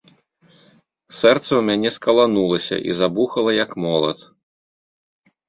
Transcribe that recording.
Сэрца ў мяне скаланулася і забухала, як молат.